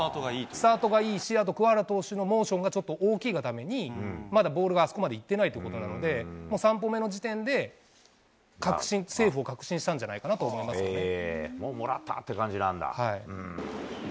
スタートがいいし、あとくわはら投手のモーションがちょっと大きいがために、まだボールがあそこまでいってないということなので、もう３歩目の時点で、確信、セーフを確信したんじゃないかなと思いますけどね。